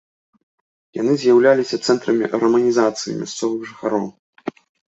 Яны з'яўляліся цэнтрамі раманізацыі мясцовых жыхароў.